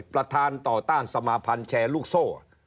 ประธานต่อต้านสมาพันธ์แชร์ลูกโซ่